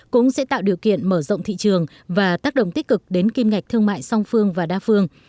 cũng sẽ tạo điều kiện mở rộng thị trường và tác động tích cực đến kim ngạch thương mại song phương và đa phương